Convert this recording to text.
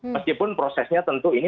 meskipun prosesnya tentu ini